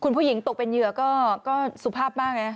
คุณผู้หญิงตกเป็นเหยื่อก็สุภาพมากนะ